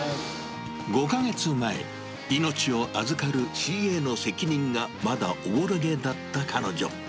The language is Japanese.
５か月前、命を預かるＣＡの責任がまだおぼろげだった彼女。